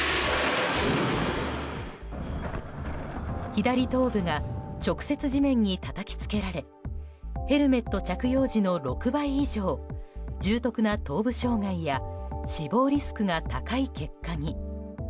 左頭部が直接地面にたたきつけられヘルメット着用時の６倍以上重篤な頭部障害や死亡リスクが高い結果に。